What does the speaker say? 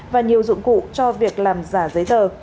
và nhiều dụng cụ cho việc làm giả giấy tờ